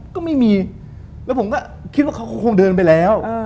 ก็ไม่มีแล้วผมก็คิดว่าเขาก็คงเดินไปแล้ว